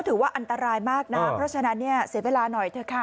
ถือว่าอันตรายมากนะเพราะฉะนั้นเนี่ยเสียเวลาหน่อยเถอะค่ะ